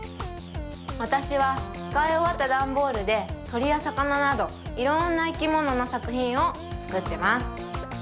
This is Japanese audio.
わたしはつかいおわったダンボールでとりやさかななどいろんないきもののさくひんをつくってます。